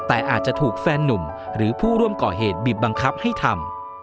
แต่อาจจะถูกแฟนนุ่มหรือผู้ร่วมก่อเหตุบีบบังคับให้ทำ